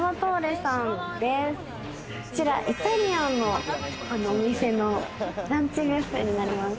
イタリアンのお店のランチビュッフェになります。